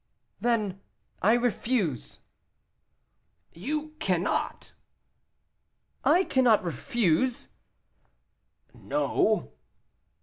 "Then I refuse." "You cannot." "I cannot refuse?" "No."